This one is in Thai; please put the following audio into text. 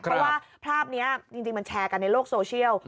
เพราะว่าภาพนี้จริงมันแชร์กันในโลกโซเชียล